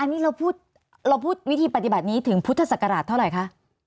อันนี้เราพูดวิธีปฏิบัตินี้ถึงพุทธศักราชเท่าไหร่คะ